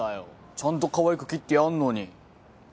ちゃんとかわいく切ってやんのに。